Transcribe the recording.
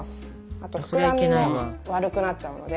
あとふくらみも悪くなっちゃうので。